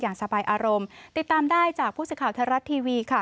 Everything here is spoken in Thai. อย่างสบายอารมณ์ติดตามได้จากพูดสิทธิ์ข่าวเทอรัตน์ทีวีค่ะ